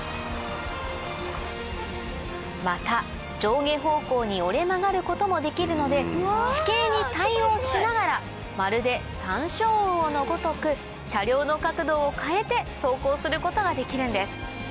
また上下方向に折れ曲がることもできるので地形に対応しながらまるでサンショウウオのごとく車両の角度を変えて走行することができるんです